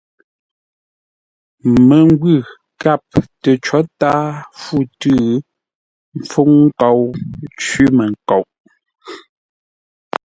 Məngwʉ̂ kâp tə có tǎa fû tʉ́ mpfúŋ nkou cwímənkoʼ.